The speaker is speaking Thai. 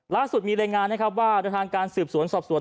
ล่าสุดมีรายงานนะครับว่าในทางการสืบสวนสอบสวน